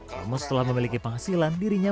namun setelah memiliki penghasilan dirinya